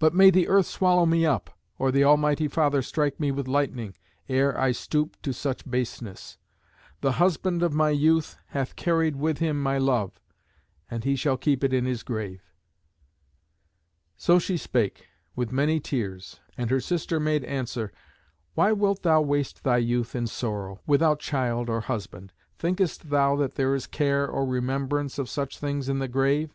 But may the earth swallow me up, or the almighty Father strike me with lightning, ere I stoop to such baseness. The husband of my youth hath carried with him my love, and he shall keep it in his grave." So she spake, with many tears. And her sister made answer, "Why wilt thou waste thy youth in sorrow, without child or husband? Thinkest thou that there is care or remembrance of such things in the grave?